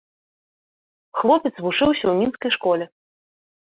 Хлопец вучыўся ў мінскай школе.